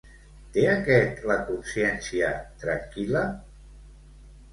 Té aquest la consciència tranquil·la?